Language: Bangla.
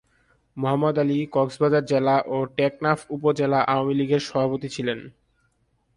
মোহাম্মদ আলী কক্সবাজার জেলা ও টেকনাফ উপজেলা আওয়ামী লীগের সভাপতি ছিলেন।